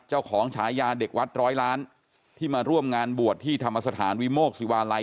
ฉายาเด็กวัดร้อยล้านที่มาร่วมงานบวชที่ธรรมสถานวิโมกศิวาลัย